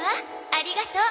ありがとう。